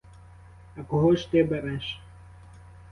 А кого ж ти береш?